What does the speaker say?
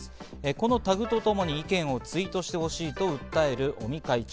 このタグとともに意見をツイートしてほしいと訴える尾身会長。